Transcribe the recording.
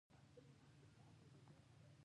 د خوست په صبریو کې د مسو نښې شته.